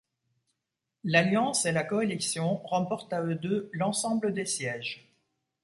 L'Alliance et la Coalition remportent à eux deux l'ensemble des sièges.